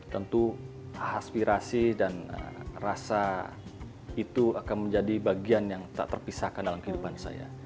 tentu aspirasi dan rasa itu akan menjadi bagian yang tak terpisahkan dalam kehidupan saya